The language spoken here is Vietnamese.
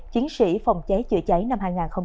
chiến sĩ phòng cháy chữa cháy năm hai nghìn hai mươi